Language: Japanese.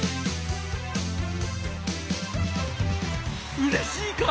うれしいか？